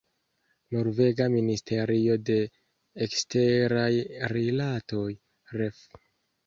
Norvega ministerio de eksteraj rilatoj, ref.